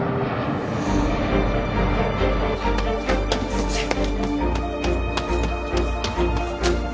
☎☎すいません！